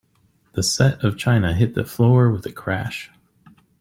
The set of china hit the floor with a crash.